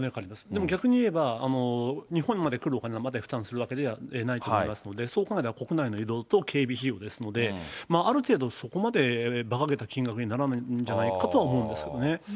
でも、逆にいえば、日本まで来るお金まで負担するわけではないと思いますので、そう考えれば、国内の移動と警備費用ですので、ある程度、そこまでばかげた金額にならないんじゃないかと思うんですけどね。